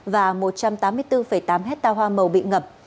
và một trăm tám mươi bốn tám hectare hoa màu bị ngập